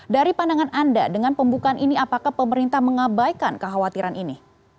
dari pandangan anda dengan pembukaan ini apakah pemerintah mengabaikan kekhawatiran ini